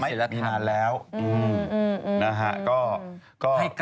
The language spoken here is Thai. แต่ว่าเรื่องผิดมันไม่ผิดแหละมันก็ไม่สมควรแหละ